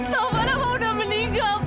taufan aku sudah meninggal pi